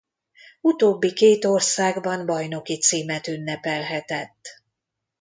Utóbbi két országban bajnoki címet ünnepelhetett.